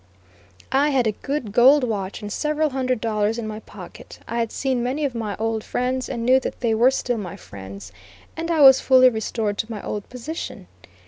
I had a good gold watch and several hundred dollars in my pocket. I had seen many of my old friends, and knew that they were still my friends, and I was fully restored to my old position.